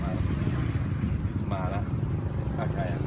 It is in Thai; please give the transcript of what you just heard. เบอร์เบอร์โปรด